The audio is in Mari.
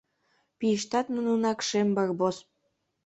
Пийыштат нунынак — шем Барбос.